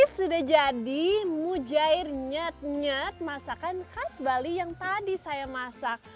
sudah jadi mujair nyet nyet masakan khas bali yang tadi saya masak